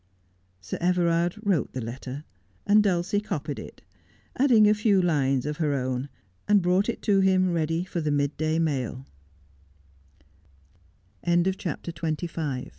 Sir Everard wrote the letter, and Dnlcie copied it, adding a few lines of her own, and brought it to him ready for the mid day mai